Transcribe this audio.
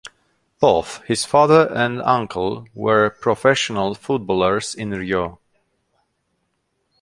Both his father and uncle were professional footballers in Rio.